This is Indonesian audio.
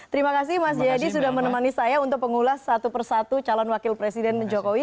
terima kasih mas jayadi sudah menemani saya untuk pengulas satu persatu calon wakil presiden jokowi